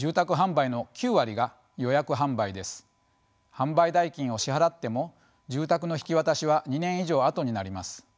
販売代金を支払っても住宅の引き渡しは２年以上あとになります。